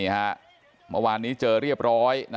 ขอบคุณทุกคน